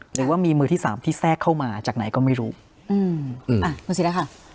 หรือว่ามีมือที่สามที่แทรกเข้ามาจากไหนก็ไม่รู้อืมอ่ะดูสิแล้วค่ะ